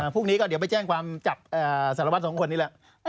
พรุ่งนี้ก็เดี๋ยวไปแจ้งความจับสารวัตรสองคนนี้แหละ